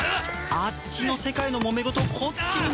あっちの世界のもめ事をこっちに持ち込むな！